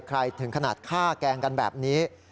ถึงขนาดฆ่าแกล้งกันแบบนี้